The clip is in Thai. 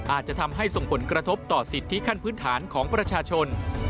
อาจจะทำให้ส่งผลกระทบต่อสิทธิขั้นพื้นฐานของประชาชน